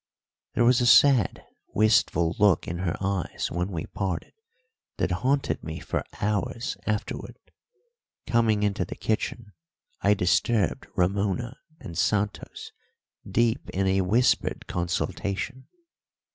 There was a sad, wistful look in her eyes when we parted that haunted me for hours afterwards. Coming into the kitchen, I disturbed Ramona and Santos deep in a whispered consultation.